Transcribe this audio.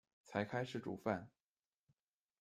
才开始煮饭